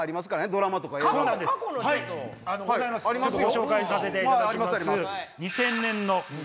ございますご紹介させていただきます。